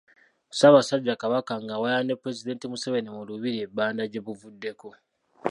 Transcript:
Ssaabasajja Kabaka ng'awaya ne pulezidenti Museveni mu lubiri e Banda gye buvuddeko.